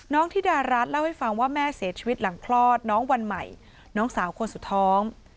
ธิดารัฐเล่าให้ฟังว่าแม่เสียชีวิตหลังคลอดน้องวันใหม่น้องสาวคนสุดท้อง